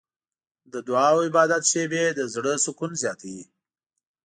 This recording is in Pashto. د دعا او عبادت شېبې د زړه سکون زیاتوي.